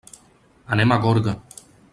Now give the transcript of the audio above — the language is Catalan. Anem a Gorga.